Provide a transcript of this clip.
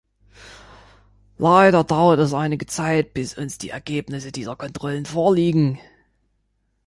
Leider dauert es einige Zeit, bis uns die Ergebnisse dieser Kontrollen vorliegen.